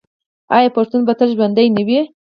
آیا پښتون به تل ژوندی نه وي؟